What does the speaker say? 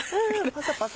パサパサ？